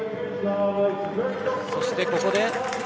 そしてここで。